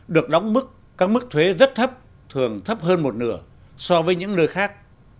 được đóng mức các mức thuế rất thấp thường thấp hơn một nửa so với những nơi khác